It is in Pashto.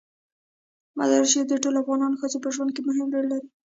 مزارشریف د ټولو افغان ښځو په ژوند کې مهم رول لري.